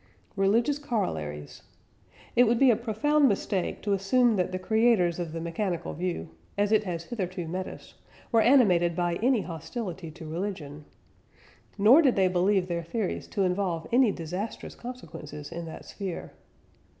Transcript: " RELIGIOUS COROLLARIES. It would be a profound mistake to assume that the creators of the mechanical view, as it has hitherto met us, were animated by any hostility to religion. Nor did they believe their theories to involve any disastrous consequences in that sphere.